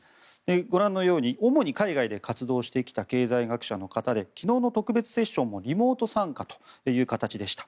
ご覧のように主に海外で活動してきた経済学者の方で昨日の特別セッションもリモート参加という形でした。